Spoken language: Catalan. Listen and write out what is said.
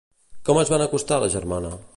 Com es van acostar a la germana?